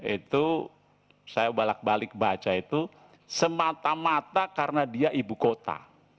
itu saya bolak balik baca itu semata mata karena dia ibu kota